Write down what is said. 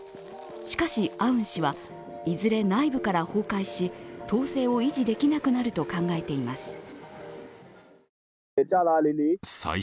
しかし、アウン氏はいずれ内部から崩壊し、統制を維持できなくなると考えています。